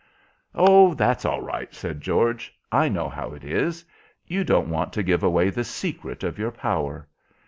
"Oh, that's all right," said George, "I know how it is. You don't want to give away the secret of your power.